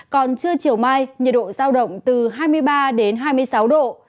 còn trưa chiều mai nhiệt độ giao động từ hai mươi ba đến hai mươi sáu độ